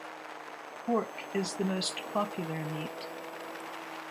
Pork is the most popular meat.